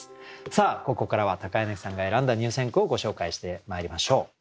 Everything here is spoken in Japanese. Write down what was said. さあここからは柳さんが選んだ入選句をご紹介してまいりましょう。